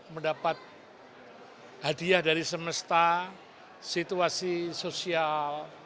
mendapat hadiah dari semesta situasi sosial